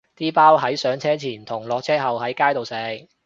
啲包係上車前同落車後喺街度食